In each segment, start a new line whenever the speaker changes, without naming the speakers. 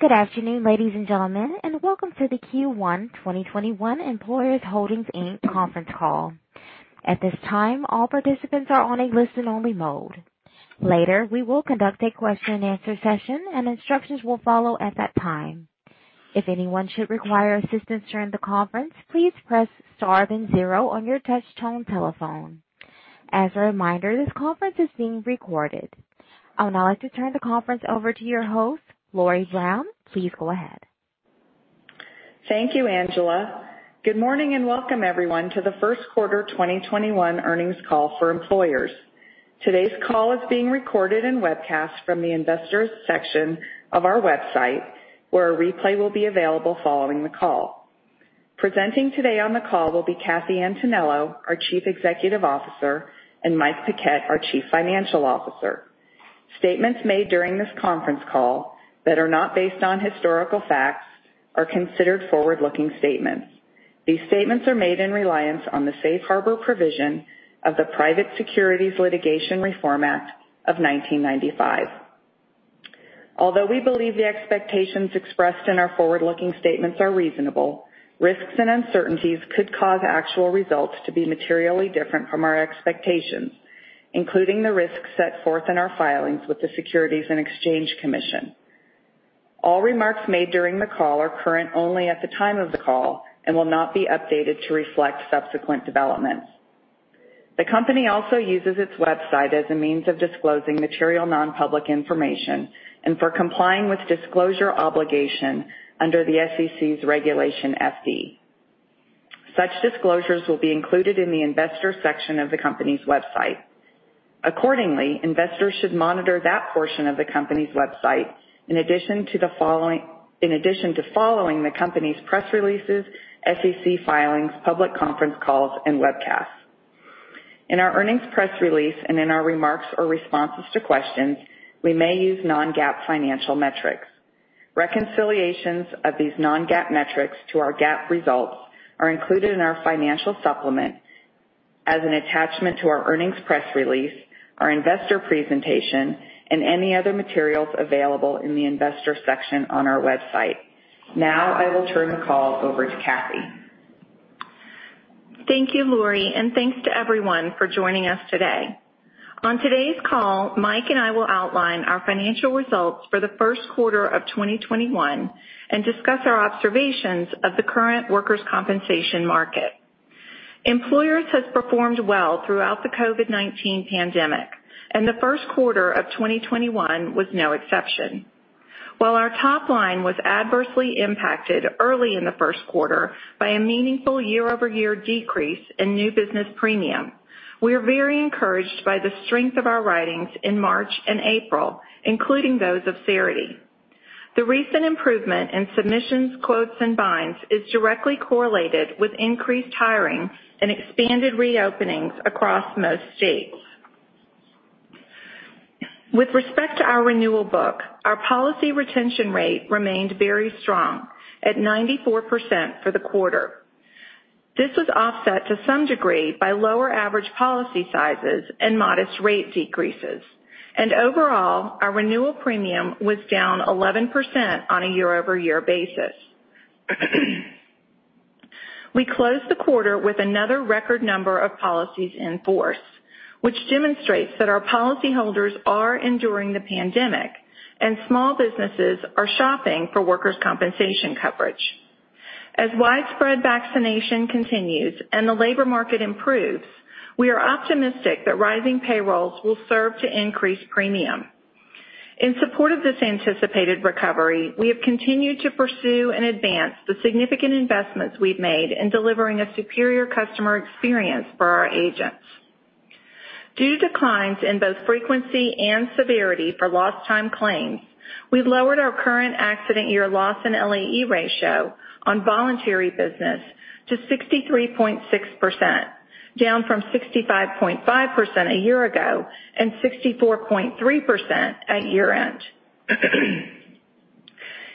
Good afternoon, ladies and gentlemen, and welcome to the Q1 2021 Employers Holdings, Inc. conference call. At this time, all participants are on a listen-only mode. Later, we will conduct a question and answer session and instructions will follow at that time. If anyone should require assistance during the conference, please press star then zero on your touch tone telephone. As a reminder, this conference is being recorded. I would now like to turn the conference over to your host, Lori Brown. Please go ahead.
Thank you, Angela. Good morning and welcome everyone to the first quarter 2021 earnings call for Employers. Today's call is being recorded and webcast from the Investors section of our website, where a replay will be available following the call. Presenting today on the call will be Cathy Antonello, our Chief Executive Officer, and Mike Paquette, our Chief Financial Officer. Statements made during this conference call that are not based on historical facts are considered forward-looking statements. These statements are made in reliance on the safe harbor provision of the Private Securities Litigation Reform Act of 1995. Although we believe the expectations expressed in our forward-looking statements are reasonable, risks and uncertainties could cause actual results to be materially different from our expectations, including the risks set forth in our filings with the Securities and Exchange Commission. All remarks made during the call are current only at the time of the call and will not be updated to reflect subsequent developments. The company also uses its website as a means of disclosing material non-public information and for complying with disclosure obligation under the SEC's Regulation FD. Such disclosures will be included in the Investors section of the company's website. Accordingly, investors should monitor that portion of the company's website in addition to following the company's press releases, SEC filings, public conference calls, and webcasts. In our earnings press release and in our remarks or responses to questions, we may use non-GAAP financial metrics. Reconciliations of these non-GAAP metrics to our GAAP results are included in our financial supplement as an attachment to our earnings press release, our investor presentation, and any other materials available in the Investors section on our website. Now I will turn the call over to Cathy.
Thank you, Lori, and thanks to everyone for joining us today. On today's call, Mike and I will outline our financial results for the first quarter of 2021 and discuss our observations of the current workers' compensation market. Employers has performed well throughout the COVID-19 pandemic, and the first quarter of 2021 was no exception. While our top line was adversely impacted early in the first quarter by a meaningful year-over-year decrease in new business premium, we are very encouraged by the strength of our writings in March and April, including those of Cerity. The recent improvement in submissions, quotes, and binds is directly correlated with increased hiring and expanded reopenings across most states. With respect to our renewal book, our policy retention rate remained very strong at 94% for the quarter. This was offset to some degree by lower average policy sizes and modest rate decreases. Overall, our renewal premium was down 11% on a year-over-year basis. We closed the quarter with another record number of policies in force, which demonstrates that our policyholders are enduring the pandemic and small businesses are shopping for workers' compensation coverage. As widespread vaccination continues and the labor market improves, we are optimistic that rising payrolls will serve to increase premium. In support of this anticipated recovery, we have continued to pursue and advance the significant investments we've made in delivering a superior customer experience for our agents. Due to declines in both frequency and severity for lost time claims, we've lowered our current accident year loss and LAE ratio on voluntary business to 63.6%, down from 65.5% a year ago and 64.3% at year-end.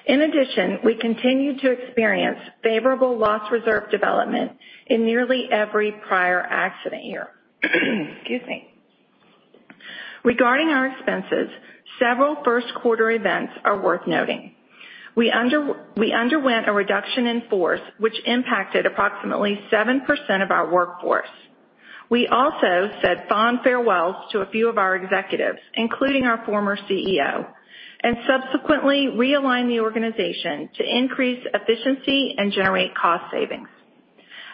In addition, we continue to experience favorable loss reserve development in nearly every prior accident year. Excuse me. Regarding our expenses, several first quarter events are worth noting. We underwent a reduction in force which impacted approximately 7% of our workforce. We also said fond farewells to a few of our executives, including our former CEO, and subsequently realigned the organization to increase efficiency and generate cost savings.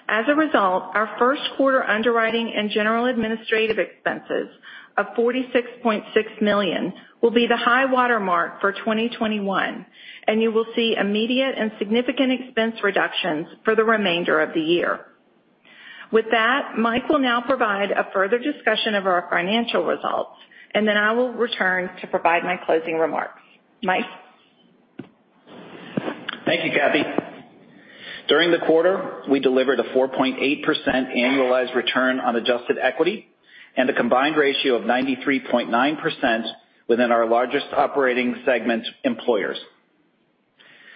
As a result, our first quarter underwriting and general administrative expenses of $46.6 million will be the high watermark for 2021. You will see immediate and significant expense reductions for the remainder of the year. With that, Mike will now provide a further discussion of our financial results. Then I will return to provide my closing remarks. Mike?
Thank you, Cathy. During the quarter, we delivered a 4.8% annualized return on adjusted equity and a combined ratio of 93.9% within our largest operating segment, Employers.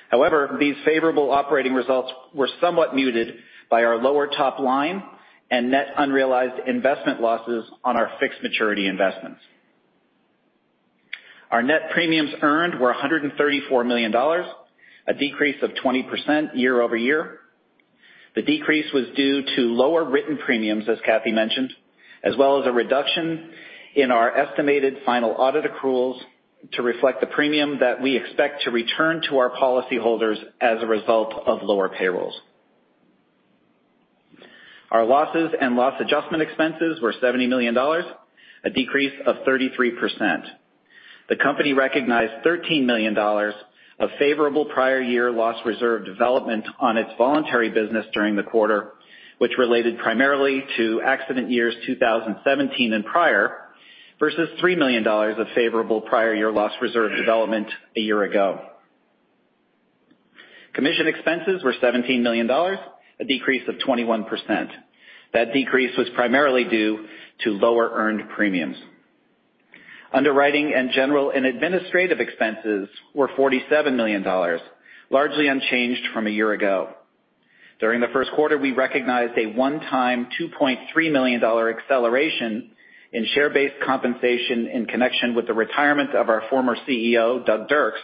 However, these favorable operating results were somewhat muted by our lower top line and net unrealized investment losses on our fixed maturity investments. Our net premiums earned were $134 million, a decrease of 20% year-over-year. The decrease was due to lower written premiums, as Cathy mentioned, as well as a reduction in our estimated final audit accruals to reflect the premium that we expect to return to our policyholders as a result of lower payrolls. Our losses and loss adjustment expenses were $70 million, a decrease of 33%. The company recognized $13 million of favorable prior year loss reserve development on its voluntary business during the quarter, which related primarily to accident years 2017 and prior, versus $3 million of favorable prior year loss reserve development a year ago. Commission expenses were $17 million, a decrease of 21%. That decrease was primarily due to lower earned premiums. Underwriting and general and administrative expenses were $47 million, largely unchanged from a year ago. During the first quarter, we recognized a one-time $2.3 million acceleration in share-based compensation in connection with the retirement of our former CEO, Doug Dirks.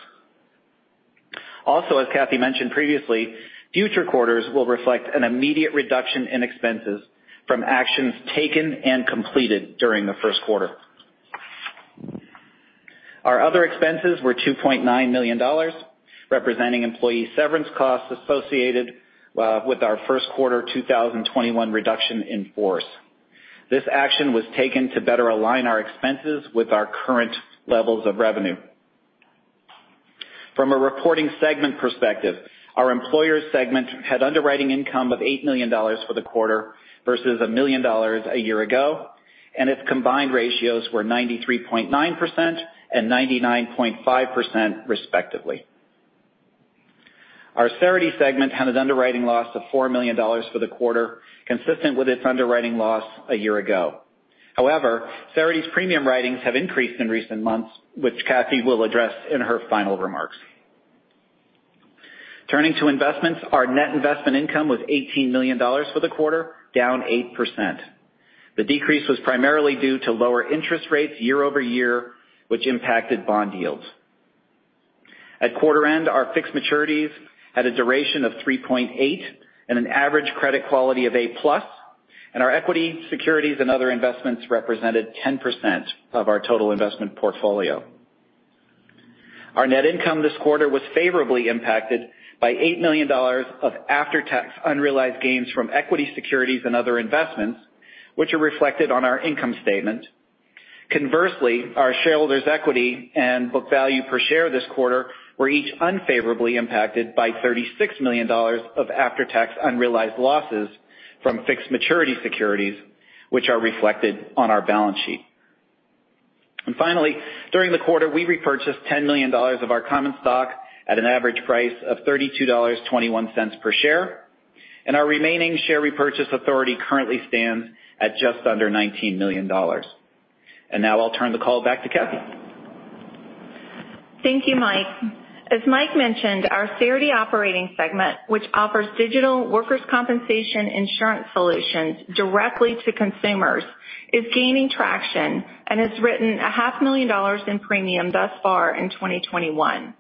As Cathy mentioned previously, future quarters will reflect an immediate reduction in expenses from actions taken and completed during the first quarter. Our other expenses were $2.9 million, representing employee severance costs associated with our first quarter 2021 reduction in force. This action was taken to better align our expenses with our current levels of revenue. From a reporting segment perspective, our Employers segment had underwriting income of $8 million for the quarter versus $1 million a year ago, and its combined ratios were 93.9% and 99.5% respectively. Our Cerity segment had an underwriting loss of $4 million for the quarter, consistent with its underwriting loss a year ago. However, Cerity's premium writings have increased in recent months, which Cathy will address in her final remarks. Turning to investments, our net investment income was $18 million for the quarter, down 8%. The decrease was primarily due to lower interest rates year-over-year, which impacted bond yields. At quarter end, our fixed maturities had a duration of 3.8 and an average credit quality of A+, and our equity, securities, and other investments represented 10% of our total investment portfolio. Our net income this quarter was favorably impacted by $8 million of after-tax unrealized gains from equity, securities, and other investments, which are reflected on our income statement. Conversely, our shareholders equity and book value per share this quarter were each unfavorably impacted by $36 million of after-tax unrealized losses from fixed maturity securities, which are reflected on our balance sheet. Finally, during the quarter, we repurchased $10 million of our common stock at an average price of $32.21 per share, and our remaining share repurchase authority currently stands at just under $19 million. Now I'll turn the call back to Cathy.
Thank you, Mike. As Mike mentioned, our Cerity operating segment, which offers digital workers' compensation insurance solutions directly to consumers, is gaining traction and has written a half million dollars in premium thus far in 2021.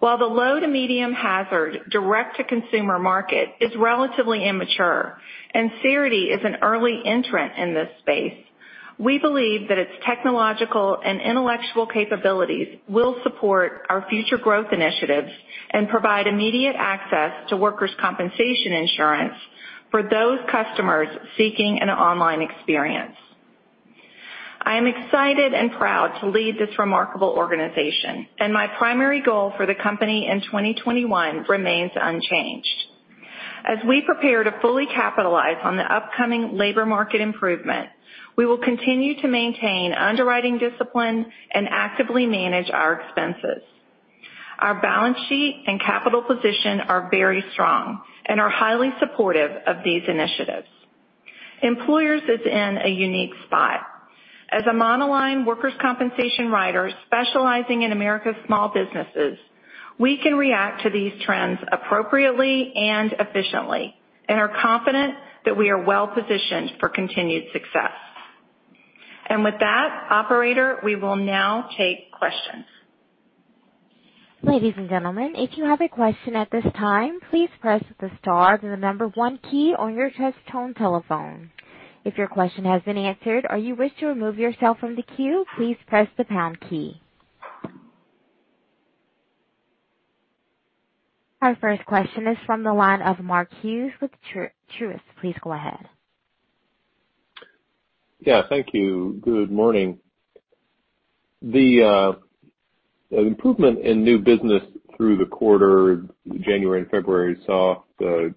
While the low to medium hazard direct-to-consumer market is relatively immature and Cerity is an early entrant in this space, we believe that its technological and intellectual capabilities will support our future growth initiatives and provide immediate access to workers' compensation insurance for those customers seeking an online experience. I am excited and proud to lead this remarkable organization, and my primary goal for the company in 2021 remains unchanged. As we prepare to fully capitalize on the upcoming labor market improvement, we will continue to maintain underwriting discipline and actively manage our expenses. Our balance sheet and capital position are very strong and are highly supportive of these initiatives. Employers is in a unique spot. As a monoline workers' compensation writer specializing in America's small businesses, we can react to these trends appropriately and efficiently, and are confident that we are well-positioned for continued success. With that, operator, we will now take questions.
Ladies and gentlemen, if you have a question at this time, please press the star then the number one key on your touch tone telephone. If your question has been answered or you wish to remove yourself from the queue, please press the pound key. Our first question is from the line of Mark Hughes with Truist. Please go ahead.
Thank you. Good morning. The improvement in new business through the quarter, January and February, saw the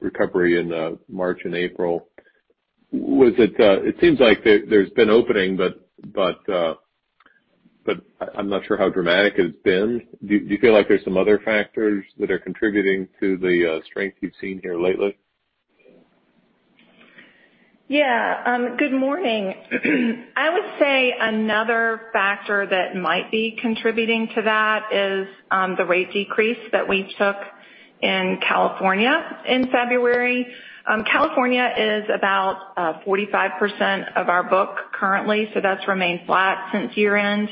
recovery in March and April. It seems like there's been opening, but I'm not sure how dramatic it's been. Do you feel like there's some other factors that are contributing to the strength you've seen here lately?
Good morning. I would say another factor that might be contributing to that is the rate decrease that we took in California in February. California is about 45% of our book currently, so that's remained flat since year-end.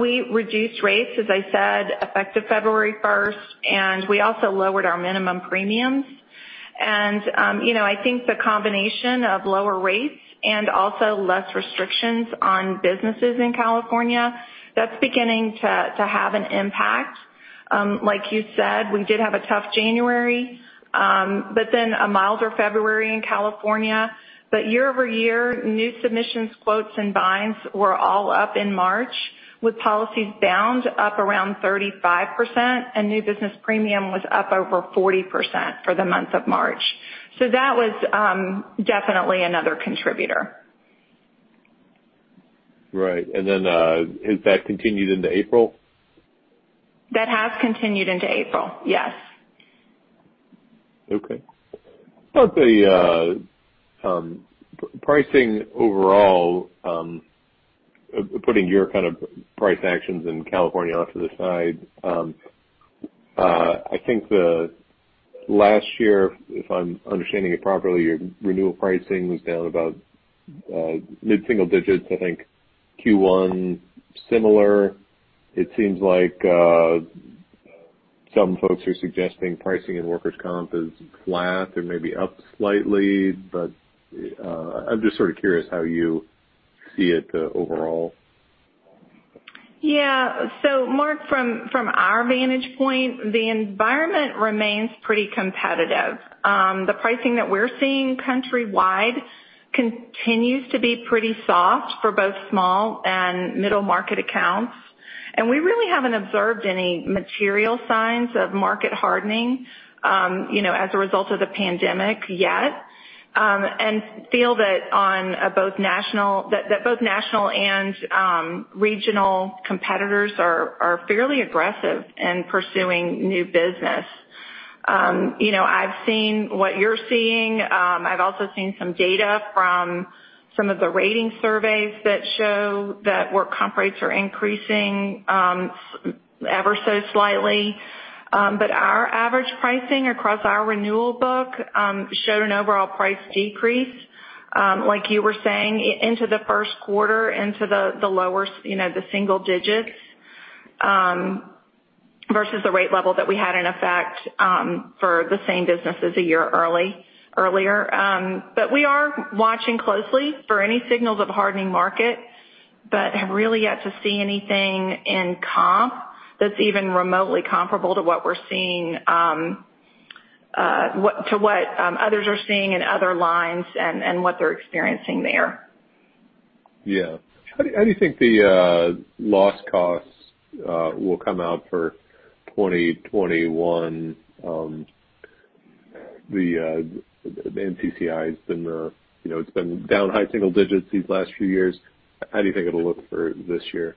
We reduced rates, as I said, effective February 1st, and we also lowered our minimum premiums. I think the combination of lower rates and also less restrictions on businesses in California, that's beginning to have an impact. Like you said, we did have a tough January, a milder February in California. Year-over-year, new submissions, quotes, and binds were all up in March, with policies bound up around 35%, new business premium was up over 40% for the month of March. That was definitely another contributor.
Right. Has that continued into April?
That has continued into April, yes.
Okay. How about the pricing overall, putting your price actions in California off to the side. I think the last year, if I'm understanding it properly, your renewal pricing was down about mid-single digits. I think Q1, similar. It seems like some folks are suggesting pricing in workers' comp is flat or maybe up slightly, I'm just sort of curious how you see it overall.
Mark, from our vantage point, the environment remains pretty competitive. The pricing that we're seeing countrywide continues to be pretty soft for both small and middle-market accounts, and we really haven't observed any material signs of market hardening, as a result of the pandemic yet. Feel that both national and regional competitors are fairly aggressive in pursuing new business. I've seen what you're seeing. I've also seen some data from some of the rating surveys that show that work comp rates are increasing ever so slightly. Our average pricing across our renewal book, showed an overall price decrease, like you were saying, into the first quarter into the lower single digits, versus the rate level that we had in effect for the same businesses a year earlier. We are watching closely for any signals of hardening market, have really yet to see anything in comp that's even remotely comparable to what others are seeing in other lines and what they're experiencing there.
How do you think the loss costs will come out for 2021? The NCCI, it's been down high single digits these last few years. How do you think it'll look for this year?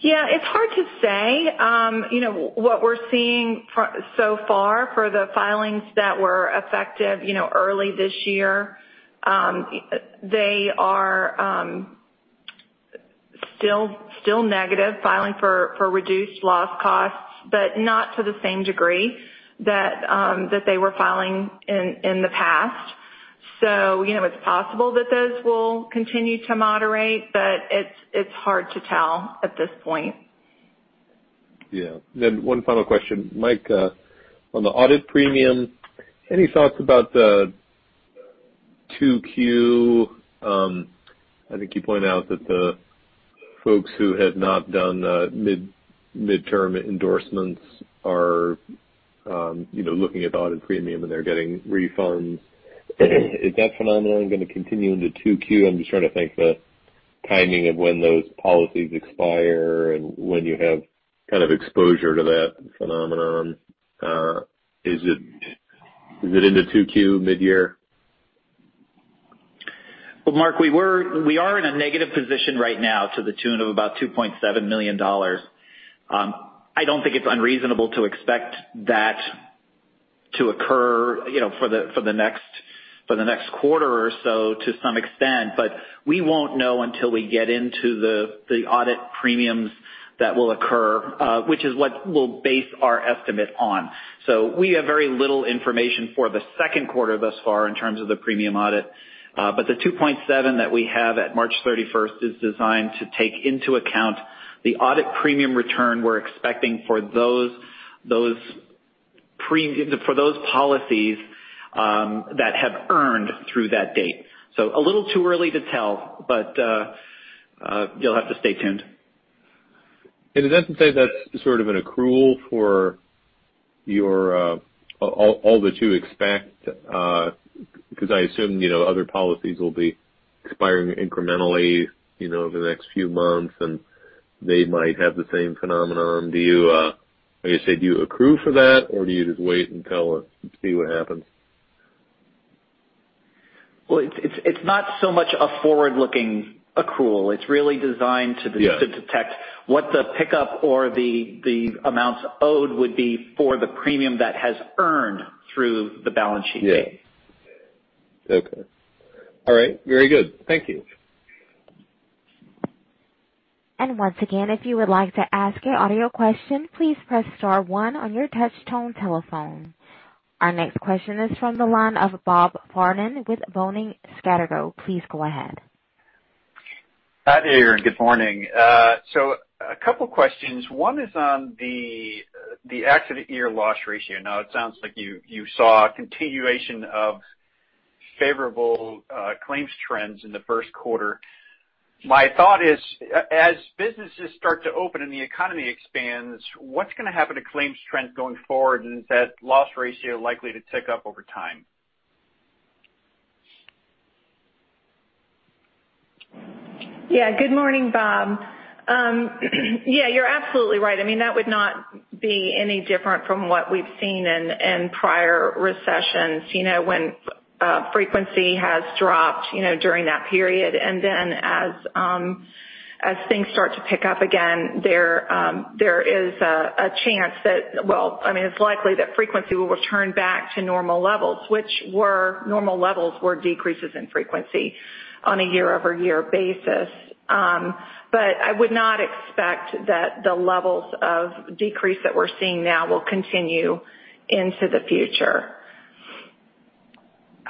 Yeah, it's hard to say. What we're seeing so far for the filings that were effective early this year, they are still negative, filing for reduced loss costs, not to the same degree that they were filing in the past. It's possible that those will continue to moderate, it's hard to tell at this point.
Yeah. One final question. Mike, on the audit premium, any thoughts about the 2Q? I think you pointed out that the folks who have not done the midterm endorsements are looking at the audit premium, and they're getting refunds. Is that phenomenon going to continue into 2Q? I'm just trying to think the timing of when those policies expire and when you have exposure to that phenomenon. Is it into 2Q mid-year?
Well, Mark, we are in a negative position right now to the tune of about $2.7 million. I don't think it's unreasonable to expect that to occur for the next quarter or so to some extent, but we won't know until we get into the audit premiums that will occur, which is what we'll base our estimate on. We have very little information for the second quarter thus far in terms of the premium audit. The $2.7 that we have at March 31st is designed to take into account the audit premium return we're expecting for those policies that have earned through that date. A little too early to tell, but you'll have to stay tuned.
Is that to say that's sort of an accrual for all that you expect? Because I assume other policies will be expiring incrementally over the next few months, and they might have the same phenomenon. Like I said, do you accrue for that, or do you just wait and see what happens?
Well, it's not so much a forward-looking accrual. It's really designed to detect what the pickup or the amounts owed would be for the premium that has earned through the balance sheet date.
Yeah. Okay. All right. Very good. Thank you.
Once again, if you would like to ask your audio question, please press star one on your touch tone telephone. Our next question is from the line of Bob Farnam with Boenning & Scattergood. Please go ahead.
Hi there, good morning. A couple questions. One is on the accident year loss ratio. Now it sounds like you saw a continuation of favorable claims trends in the first quarter. My thought is, as businesses start to open and the economy expands, what's going to happen to claims trends going forward, and is that loss ratio likely to tick up over time?
Yeah. Good morning, Bob. Yeah, you're absolutely right. That would not be any different from what we've seen in prior recessions, when frequency has dropped during that period. As things start to pick up again, there is a chance that, well, it's likely that frequency will return back to normal levels, which were normal levels were decreases in frequency on a year-over-year basis. I would not expect that the levels of decrease that we're seeing now will continue into the future.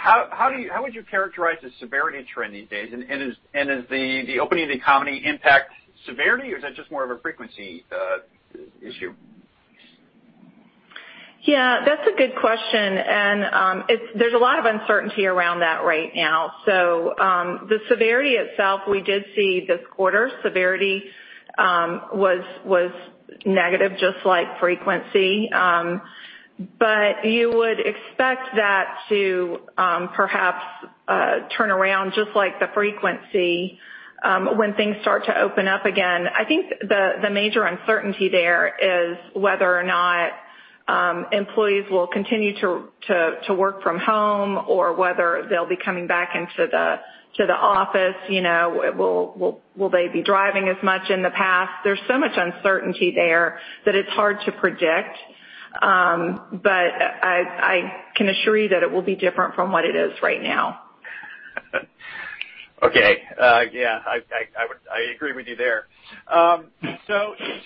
How would you characterize the severity trend these days, and does the opening of the economy impact severity, or is that just more of a frequency issue?
Yeah, that's a good question, and there's a lot of uncertainty around that right now. The severity itself, we did see this quarter, severity was negative, just like frequency. You would expect that to perhaps turn around just like the frequency, when things start to open up again. I think the major uncertainty there is whether or not employees will continue to work from home or whether they'll be coming back into the office. Will they be driving as much in the past? There's so much uncertainty there that it's hard to predict. I can assure you that it will be different from what it is right now.
Okay. Yeah. I agree with you there. In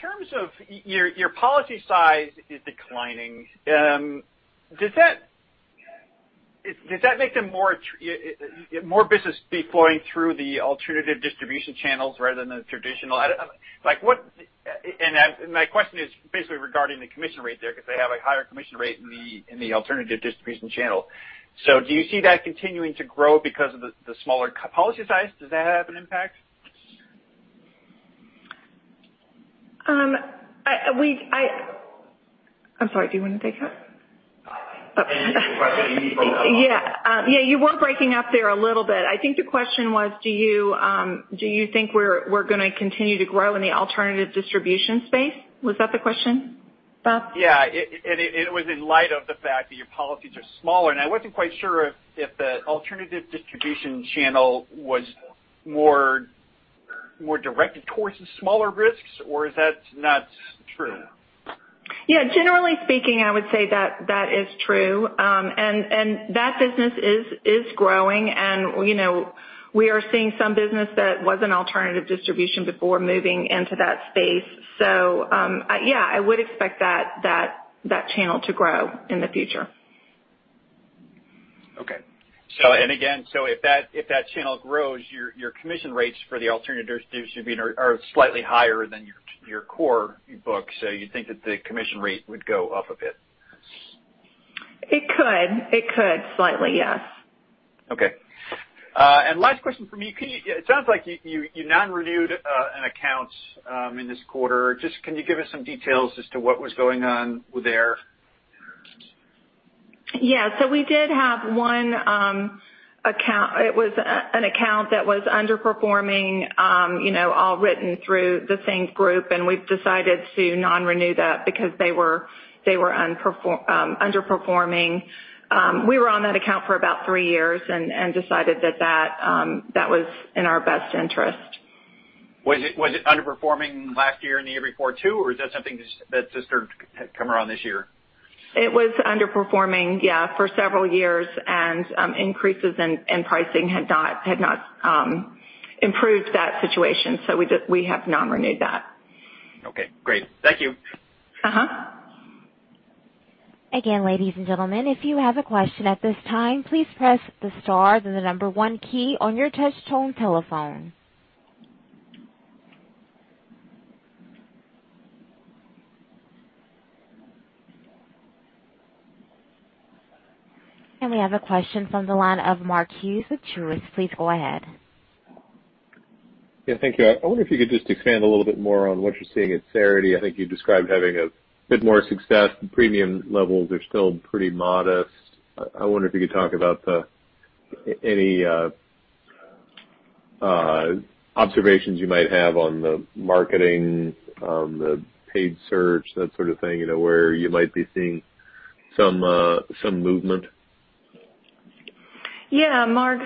terms of your policy size is declining. Does that make more business be flowing through the alternative distribution channels rather than the traditional? My question is basically regarding the commission rate there, because they have a higher commission rate in the alternative distribution channel. Do you see that continuing to grow because of the smaller policy size? Does that have an impact?
I'm sorry, do you want to take that?
I think you need to repeat the question. You broke up a little bit.
Yeah. You were breaking up there a little bit. I think the question was, do you think we're going to continue to grow in the alternative distribution space? Was that the question, Bob?
Yeah. It was in light of the fact that your policies are smaller, and I wasn't quite sure if the alternative distribution channel was more directed towards the smaller risks, or is that not true?
Yeah. Generally speaking, I would say that is true. That business is growing, and we are seeing some business that was an alternative distribution before moving into that space. Yeah, I would expect that channel to grow in the future.
Okay. Again, so if that channel grows, your commission rates for the alternative distribution are slightly higher than your core book. You think that the commission rate would go up a bit?
It could. It could slightly, yes.
Okay. Last question from me. It sounds like you non-renewed an account in this quarter. Just can you give us some details as to what was going on there?
Yeah. We did have one account. It was an account that was underperforming, all written through the same group, and we've decided to non-renew that because they were underperforming. We were on that account for about three years and decided that was in our best interest.
Was it underperforming last year and the year before, too, or is that something that just had come around this year?
It was underperforming, yeah, for several years, and increases in pricing had not improved that situation. We have non-renewed that.
Okay, great. Thank you.
Again, ladies and gentlemen, if you have a question at this time, please press the star, then the number one key on your touch tone telephone. We have a question from the line of Mark Hughes with Truist. Please go ahead.
Yeah, thank you. I wonder if you could just expand a little bit more on what you're seeing at Cerity. I think you described having a bit more success. Premium levels are still pretty modest. I wonder if you could talk about any observations you might have on the marketing, on the paid search, that sort of thing, where you might be seeing some movement.
Yeah, Mark.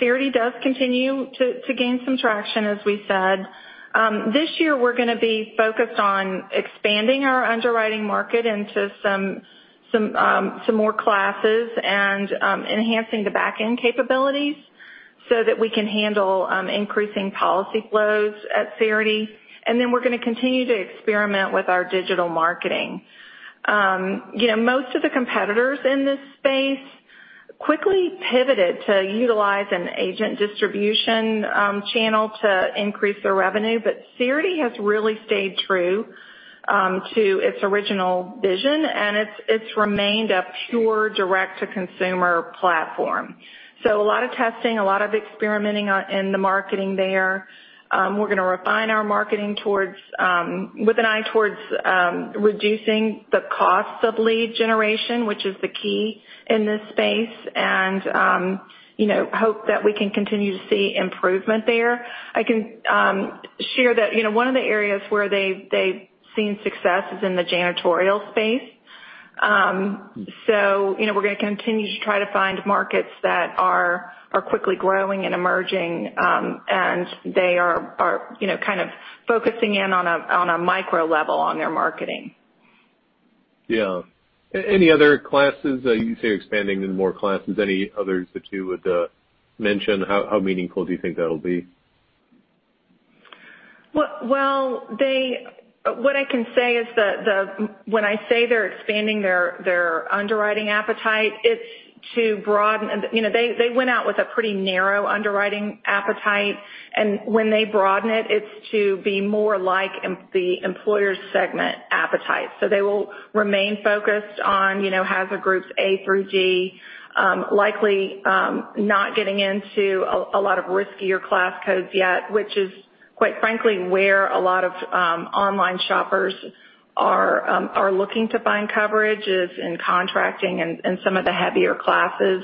Cerity does continue to gain some traction, as we said. This year, we're going to be focused on expanding our underwriting market into some more classes and enhancing the back-end capabilities so that we can handle increasing policy flows at Cerity. We're going to continue to experiment with our digital marketing. Most of the competitors in this space quickly pivoted to utilize an agent distribution channel to increase their revenue. Cerity has really stayed true to its original vision, and it's remained a pure direct-to-consumer platform. A lot of testing, a lot of experimenting in the marketing there. We're going to refine our marketing with an eye towards reducing the cost of lead generation, which is the key in this space, and hope that we can continue to see improvement there. I can share that one of the areas where they've seen success is in the janitorial space. We're going to continue to try to find markets that are quickly growing and emerging, and they are kind of focusing in on a micro level on their marketing.
Yeah. Any other classes? You say expanding in more classes. Any others that you would mention? How meaningful do you think that'll be?
What I can say is that when I say they're expanding their underwriting appetite, they went out with a pretty narrow underwriting appetite, and when they broaden it's to be more like the Employers segment appetite. They will remain focused on hazard groups A through G, likely not getting into a lot of riskier class codes yet, which is, quite frankly, where a lot of online shoppers are looking to find coverage is in contracting and some of the heavier classes.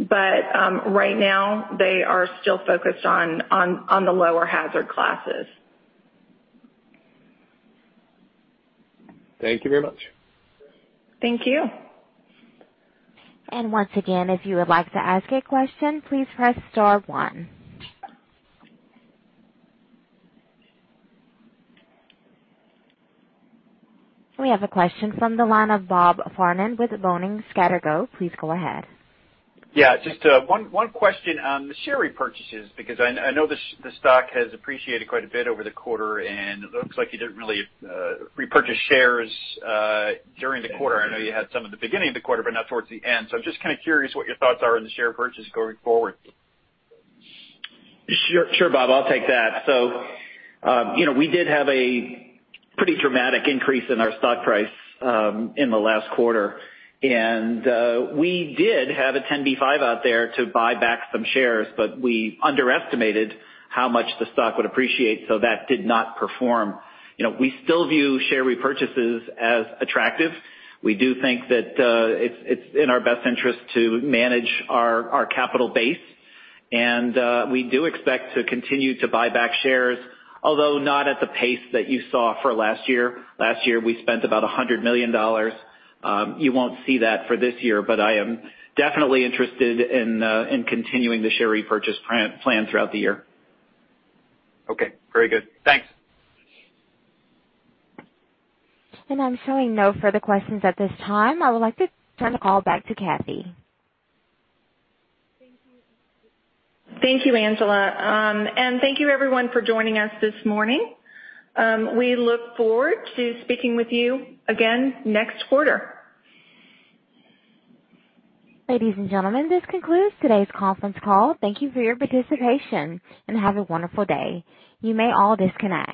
Right now, they are still focused on the lower hazard classes.
Thank you very much.
Thank you.
Once again, if you would like to ask a question, please press star one. We have a question from the line of Bob Farnam with Boenning & Scattergood. Please go ahead.
Just one question on the share repurchases, because I know the stock has appreciated quite a bit over the quarter, it looks like you didn't really repurchase shares during the quarter. I know you had some at the beginning of the quarter, but not towards the end. I'm just kind of curious what your thoughts are on the share purchase going forward.
Sure, Bob, I'll take that. We did have a pretty dramatic increase in our stock price in the last quarter. We did have a 10b5-1 out there to buy back some shares, we underestimated how much the stock would appreciate, that did not perform. We still view share repurchases as attractive. We do think that it's in our best interest to manage our capital base. We do expect to continue to buy back shares, although not at the pace that you saw for last year. Last year, we spent about $100 million. You won't see that for this year, but I am definitely interested in continuing the share repurchase plan throughout the year.
Very good. Thanks.
I'm showing no further questions at this time. I would like to turn the call back to Cathy.
Thank you, Angela. Thank you everyone for joining us this morning. We look forward to speaking with you again next quarter.
Ladies and gentlemen, this concludes today's conference call. Thank you for your participation, and have a wonderful day. You may all disconnect.